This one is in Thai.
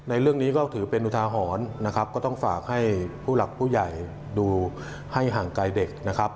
ในเรื่องนี้ก็ถือเป็นอุทาหรณ์นะครับก็ต้องฝากให้ผู้หลักผู้ใหญ่ดูให้ห่างไกลเด็กนะครับ